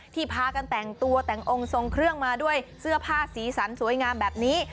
พากันแต่งตัวแต่งองค์ทรงเครื่องมาด้วยเสื้อผ้าสีสันสวยงามแบบนี้